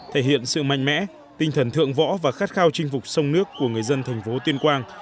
thể hiện sự mạnh mẽ tinh thần thượng võ và khát khao chinh phục sông nước của người dân thành phố tuyên quang